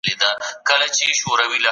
زرکي وویل